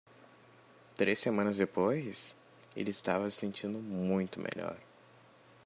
Três semanas depois,? ele estava se sentindo muito melhor.